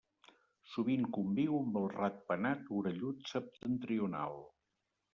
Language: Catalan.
Sovint conviu amb el ratpenat orellut septentrional.